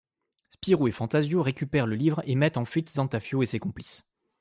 Spirou et Fantasio récupèrent le livre et mettent en fuite Zantafio et ses complices.